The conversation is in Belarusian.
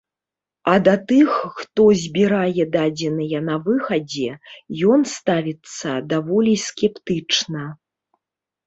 А да тых, хто збірае дадзеныя на выхадзе, ён ставіцца даволі скептычна.